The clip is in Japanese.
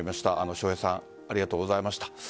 笑瓶さんありがとうございました。